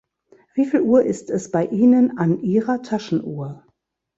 Wieviel Uhr ist es bei Ihnen an Ihrer Taschenuhr?